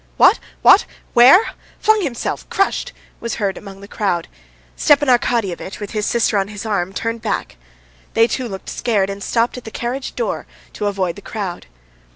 "What?... What?... Where?... Flung himself!... Crushed!..." was heard among the crowd. Stepan Arkadyevitch, with his sister on his arm, turned back. They too looked scared, and stopped at the carriage door to avoid the crowd.